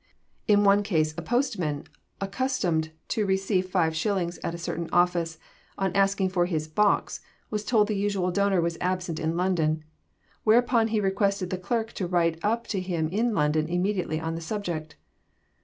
In one case, a postman accustomed to receive five shillings at a certain office, on asking for his 'box,' was told the usual donor was absent in London, whereupon he requested the clerk to write up to him in London immediately on the subject.